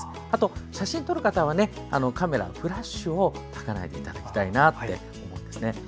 あと、写真を撮る方はカメラ、フラッシュをたかないでいただきたいなって思います。